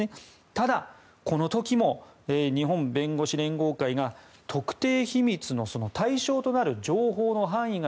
ただ、この時も日本弁護士連合会が特定秘密の対象となる情報の範囲が